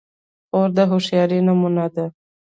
خور د هوښیارۍ نمونه ده.